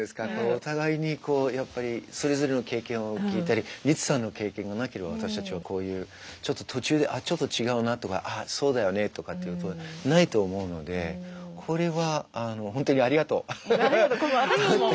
お互いにこうやっぱりそれぞれの経験を聞いたりリツさんの経験がなければ私たちはこういうちょっと途中であっちょっと違うなとかあっそうだよねとかっていうことないと思うのでこれはあのいえいえ。